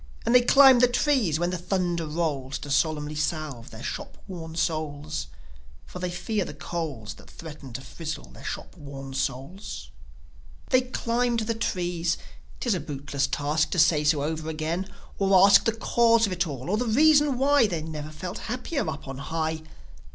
And they climb the trees when the thunder rolls, To solemnly salve their shop worn souls. For they fear the coals That threaten to frizzle their shop worn souls. They climbed the trees. 'Tis a bootless task To say so over again, or ask The cause of it all, or the reason why They never felt happier up on high.